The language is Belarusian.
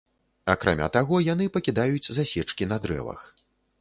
Акрамя таго яны пакідаюць засечкі на дрэвах.